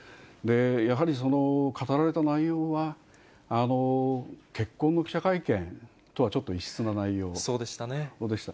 やはり語られた内容は、結婚の記者会見とは、ちょっと異質な内容でした。